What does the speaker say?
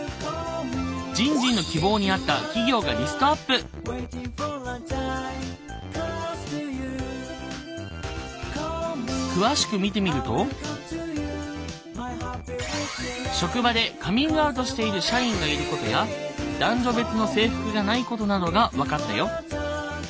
じんじんの詳しく見てみると職場でカミングアウトしている社員がいることや男女別の制服がないことなどが分かったよ。